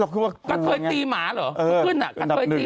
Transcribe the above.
กะเทลยตีหมาล์เลย